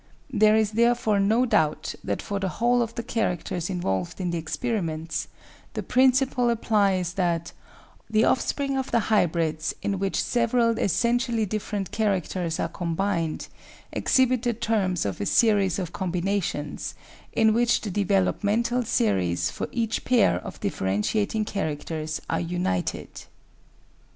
There is therefore no doubt that for the whole of the characters involved in the experiments the principle applies that the offspring of the hybrids in which several essentially different characters are combined exhibit the terms of a series of combinations, in which the developmental series for each pair of differentiating characters are united.